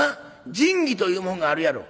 仁義というもんがあるやろ」。